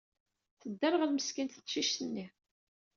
Tedderɣel meskint teqcict-nni.